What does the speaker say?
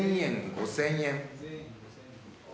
５，０００円。